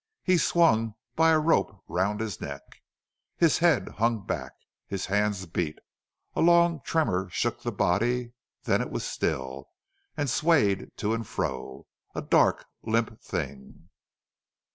He swung by a rope round his neck. His head hung back. His hands beat. A long tremor shook the body; then it was still, and swayed to and fro, a dark, limp thing.